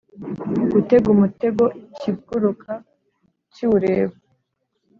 gutega umutego ikiguruka kiwureba,